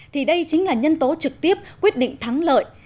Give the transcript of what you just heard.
thì đây chính là nhân tố trực tiếp quyết định thắng lợi